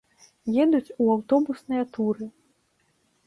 Едуць у аўтобусныя туры.